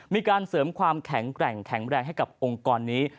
มีการเสริมความแข็งแกร่งแข็งแรงให้กับองค์กรนี้